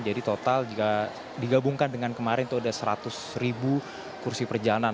jadi total jika digabungkan dengan kemarin itu sudah seratus ribu kursi perjalanan